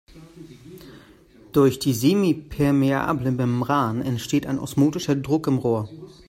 Durch die semipermeable Membran entsteht ein osmotischer Druck im Rohr.